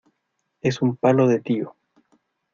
Es un palo de tío.